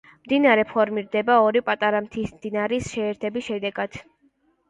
მდინარე ფორმირდება ორი პატარა მთის მდინარის შეერთების შედეგად.